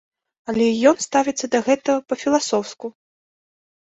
Але ён ставіцца да гэтага па-філасофску.